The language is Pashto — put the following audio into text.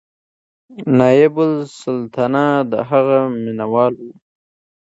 نایبالسلطنه د هغې مینهوال و.